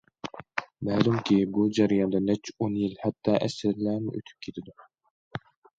مەلۇمكى، بۇ جەرياندا نەچچە ئون يىل ھەتتا ئەسىرلەرمۇ ئۆتۈپ كېتىدۇ.